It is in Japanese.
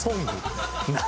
何？